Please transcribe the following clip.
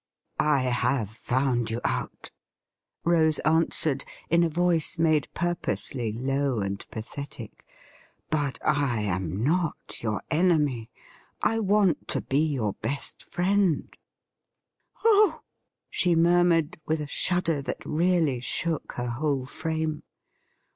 ' I have found you out,' Rose answered, in a voice made puiposely low and pathetic ;' but I am not your enemy. I want to be your best friend.' •HAST THOU FOUND ME OUT?' 213 ' Oh !' she murmured, with a shudder that really shook her whole frame.